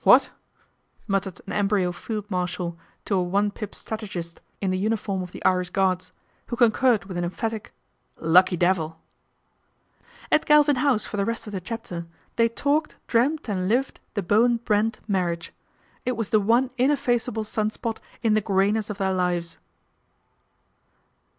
What !" muttered an embryo field marshal to a one pip strategist in the uniform 312 PATRICIA BRENT, SPINSTER of the Irish Guards, who concurred with an em phatic, " Lucky devil !" At Galvin House for the rest of the chapter they talked, dreamed and lived the Bowen Brent marriage. It was the one ineffaceable sunspot in the greyness of their lives.